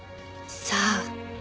さあ。